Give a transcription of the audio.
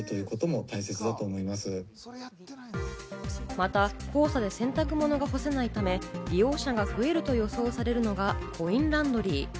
また黄砂で洗濯物が干せないため、利用者が増えると予想されるのがコインランドリー。